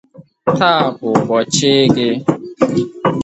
Ta bụ ụbọchị gị!